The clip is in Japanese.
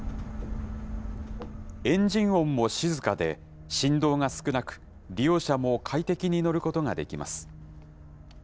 エンジン音も静かで、振動が少なく、利用者も快適に乗ることができます。